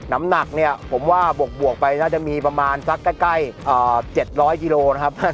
น้ำหนักเนี่ยผมว่าบวกไปน่าจะมีประมาณสักใกล้๗๐๐กิโลนะครับ